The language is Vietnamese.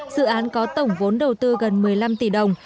dự án có tổng vốn đầu tư gần một mươi năm tỷ đồng